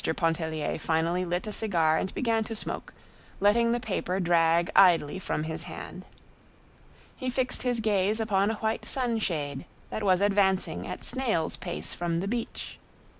Pontellier finally lit a cigar and began to smoke, letting the paper drag idly from his hand. He fixed his gaze upon a white sunshade that was advancing at snail's pace from the beach.